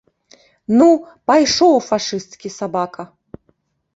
Ну, пайшоў, фашысцкі сабака!